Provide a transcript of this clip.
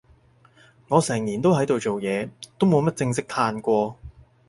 我成年都喺度做嘢，都冇乜正式嘆過